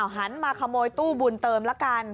หันมาขโมยตู้บุญเติมละกัน